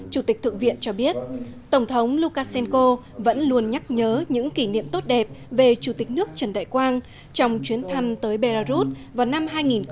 chủ tịch thượng viện cho biết tổng thống lukashenko vẫn luôn nhắc nhớ những kỷ niệm tốt đẹp về chủ tịch nước trần đại quang trong chuyến thăm tới belarus vào năm hai nghìn hai mươi